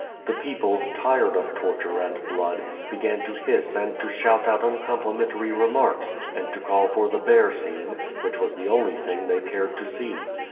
The people, tired of torture and blood, began to hisq and to shout out uncomplimentary remarks and to call for the bear scene, which was the only thing they cared to see.